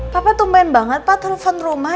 papa tumben banget pak telpon rumah